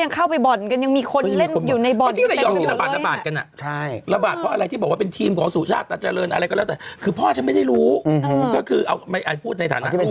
ตั้งแต่บ่อนแบบซึ่งเวลาคนบ่อนแบบว่าคือเป็นชุดใหม่แล้วแหละ